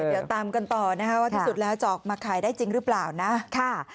เดี๋ยวตามกันต่อนะคะว่าที่สุดแล้วจะออกมาขายได้จริงหรือเปล่านะค่ะ